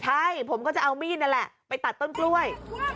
ใช่ผมก็จะเอามีดนั่นแหละไปตัดต้นกล้วย